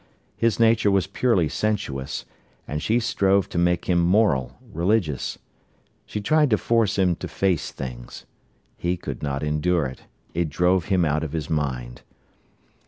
His nature was purely sensuous, and she strove to make him moral, religious. She tried to force him to face things. He could not endure it—it drove him out of his mind.